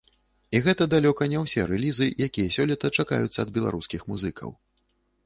І гэта далёка не ўсе рэлізы, якія сёлета чакаюцца ад беларускіх музыкаў.